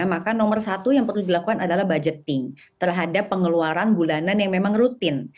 maka nomor satu yang perlu dilakukan adalah budgeting terhadap pengeluaran bulanan yang memang rutin